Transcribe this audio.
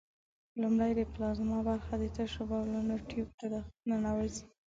لومړی د پلازما برخه د تشو بولو نل ټیوب ته ننوزي.